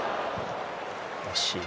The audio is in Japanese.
惜しいね。